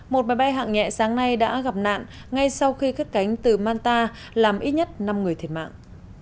một máy bay hạng nhẹ sáng nay đã gặp nạn ngay sau khi cất cánh từ manta làm ít nhất năm người thiệt mạng